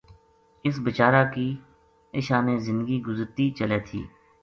ا س بِچار ا کی اشانے زندگی گزرتی چلے تھی